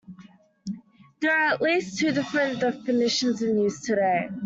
There are at least two different definitions in use today.